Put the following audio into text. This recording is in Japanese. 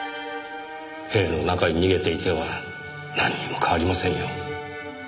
塀の中に逃げていてはなんにも変わりませんよ。